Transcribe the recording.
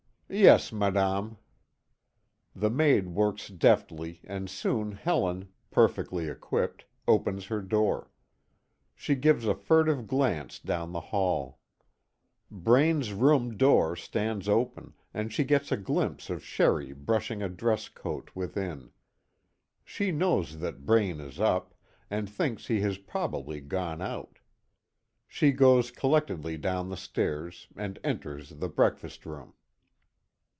"Yes, Madame." The maid works deftly, and soon Helen, perfectly equipped, opens her door. She gives a furtive glance down the hall. Braine's room door stands open, and she gets a glimpse of Sherry brushing a dress coat within. She knows that Braine is up, and thinks he has probably gone out. She goes collectedly down the stairs, and enters the breakfast room.